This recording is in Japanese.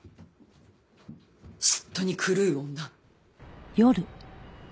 嫉妬に狂う女。